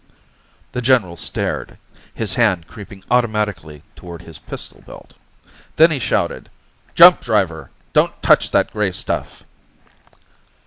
The general stared, his hand creeping automatically toward his pistol belt. Then he shouted, "Jump, driver! Don't touch that gray stuff."